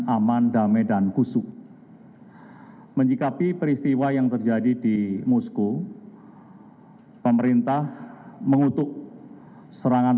aman damai dan kusuk menyikapi peristiwa yang terjadi di moskow pemerintah mengutuk serangan